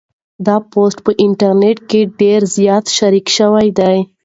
دا پوسټ په انټرنيټ کې ډېر زیات شریک شوی دی.